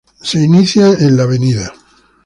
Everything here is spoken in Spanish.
Se inicia en la Av.